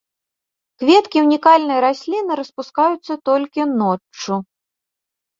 Кветкі ўнікальнай расліны распускаюцца толькі ноччу.